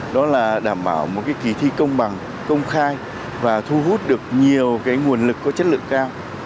đó là đảm bảo một kỳ thi công bằng công khai và thu hút được nhiều nguồn lực có chất lượng cao